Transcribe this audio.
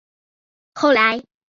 后来他也同意了